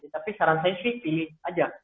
tapi saran saya sih pilih aja